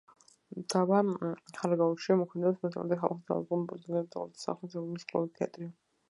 დაბა ხარაგაულში მოქმედებს მოსწავლეთა სახლი, საავადმყოფო, პოლიკლინიკა, კულტურის სახლი, სამუსიკო სკოლა, თეატრი.